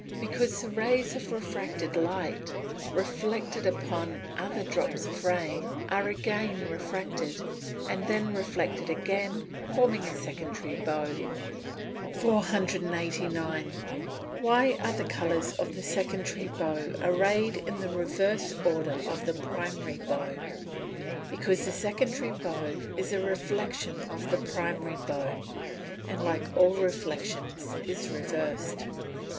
_ Because the rays of refracted light, reflected upon other drops of rain, are again refracted, and then reflected again, forming a secondary bow. 489. Why are the colours of the secondary bow arrayed in the reverse order of the primary bow? Because the secondary bow is a reflection of the primary bow, and, like all reflections, is reversed.